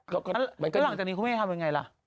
แล้วหลังจากนี้คุณให้ทำยังไงล่ะ